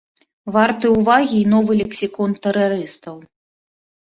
Варты ўвагі і новы лексікон тэрарыстаў.